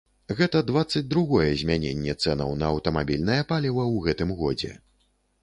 Гэта дваццаць другое змяненне цэнаў на аўтамабільнае паліва ў гэтым годзе.